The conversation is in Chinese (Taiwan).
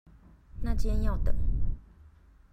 那間要等